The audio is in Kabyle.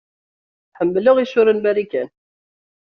Ḥemmleɣ isura n Marikan.